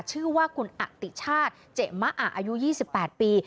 ชื่อว่าคุณอติชาติเจมะอะอายุ๒๘ปี